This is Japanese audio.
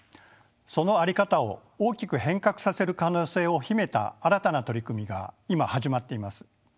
その在り方を大きく変革させる可能性を秘めた新たな取り組みが今始まっています。